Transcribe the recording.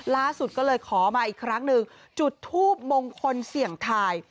ล่าสุดก็เลยขอมาอีกครั้งหนึ่งจุดทูบมงคลเสี่ยงทาย